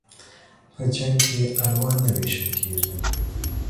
په جنگ کې الوا نه ويشل کېږي.